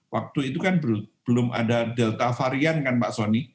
waktu itu kan belum ada delta varian kan pak soni